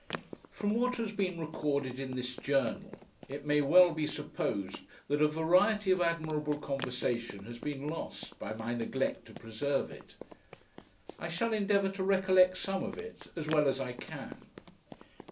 From what has been recorded in this Journal, it may well be supposed that a variety of admirable conversation has been lost, by my neglect to preserve it. I shall endeavour to recollect some of it, as well as I can.